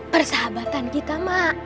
persahabatan kita mak